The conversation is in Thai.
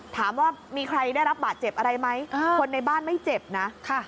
ถามว่ามีใครได้รับบาดเจ็บอะไรไหมคนในบ้านไม่เจ็บนะ